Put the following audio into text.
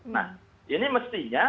nah ini mestinya